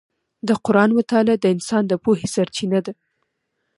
د قرآن مطالعه د انسان د پوهې سرچینه ده.